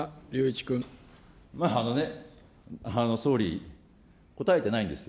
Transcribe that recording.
まあ、あのね、総理、答えてないんです。